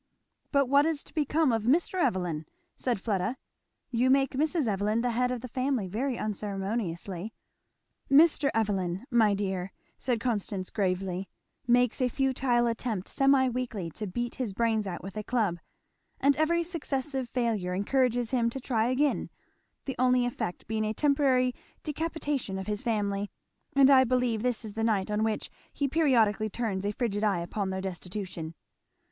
"But what is to become of Mr. Evelyn?" said Fleda; "you make Mrs. Evelyn the head of the family very unceremoniously." "Mr. Evelyn, my dear," said Constance gravely, "makes a futile attempt semi weekly to beat his brains out with a club; and every successive failure encourages him to try again; the only effect being a temporary decapitation of his family; and I believe this is the night on which he periodically turns a frigid eye upon their destitution."